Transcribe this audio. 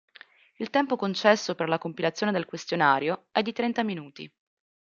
Il tempo concesso per la compilazione del questionario è di trenta minuti.